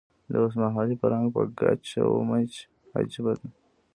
د اوسمهالي فرهنګ په کچ و میچ عجیبه دی.